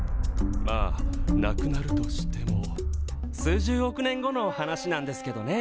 まあなくなるとしても数十億年後の話なんですけどね。